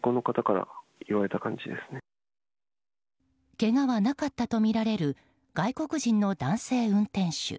けがはなかったとみられる外国人の男性運転手。